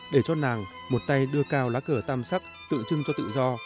để cho nàng một tay đưa cao lá cờ tam sắc tự trưng cho tự do